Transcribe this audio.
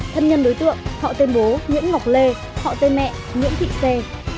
thân nhân đối tượng họ tên bố nguyễn ngọc lê họ tên mẹ nguyễn thị xê